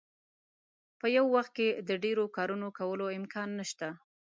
په یو وخت کې د ډیرو کارونو کولو امکان نشته.